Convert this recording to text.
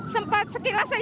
sempat sekilas aja sih